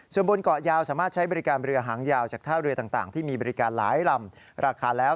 ส่วนบนเกาะยาวสามารถใช้บริการเรือหางยาวจากท่าเรือต่างที่มีบริการหลายลำราคาแล้ว